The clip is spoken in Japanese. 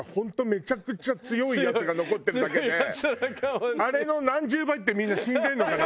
めちゃくちゃ強いやつが残ってるだけであれの何十倍ってみんな死んでるのかな